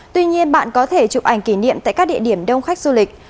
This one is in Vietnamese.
tuy nhiên bạn có thể chụp ảnh kỷ niệm tại các địa điểm đông khách du lịch